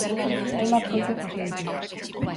Hainbat kolpe jaso ditu.